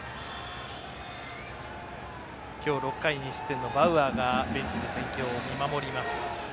今日６回２失点のバウアーがベンチで戦況を見守ります。